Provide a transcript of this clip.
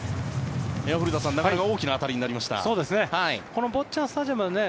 古田さん、なかなか大きな当たりになりました。